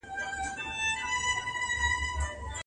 • په لسګونو موږکان دلته اوسېږي,